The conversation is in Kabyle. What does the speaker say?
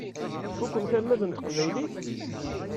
Tfukkemt almad n teqbaylit?